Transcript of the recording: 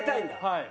はい。